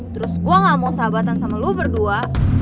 terus gua gak mau sahabatan sama lu berdua